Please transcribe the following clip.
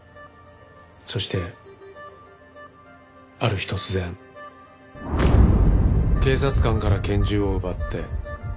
そしてある日突然警察官から拳銃を奪って。